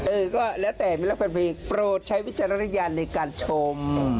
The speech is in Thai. เออก็แล้วแต่เวลาแฟนเพลงโปรดใช้วิจารณญาณในการชม